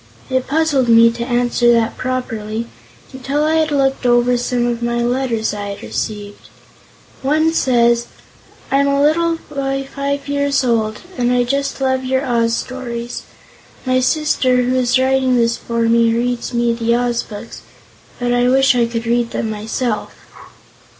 It puzzled me to answer that properly, until I had looked over some of the letters I have received. One says: "I'm a little boy 5 years old, and I Just love your Oz stories. My sister, who is writing this for me, reads me the Oz books, but I wish I could read them myself."